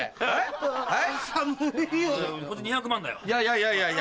いやいやいや。